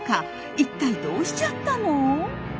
一体どうしちゃったの？